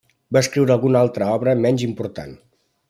Va escriure alguna altra obra menys important.